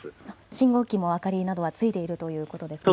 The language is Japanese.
信号機の明かりなどはついているということですね。